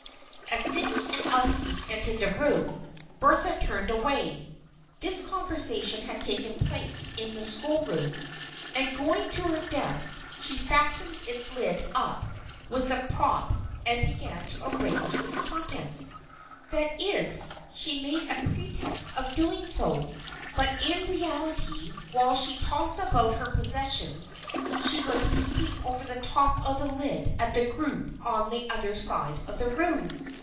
As Sydney and Elsie entered the room, Bertha turned away. This conversation had taken place in the school room, and going to her desk she fastened its lid up with the prop and began to arrange its contents. That is, she made a pretense of doing so, but in re ality while she tossed about her possessions she was peeping over the top of the lid at the group on the other side of the room.